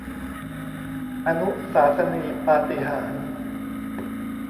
อนุสาสนีปาฏิหาริย์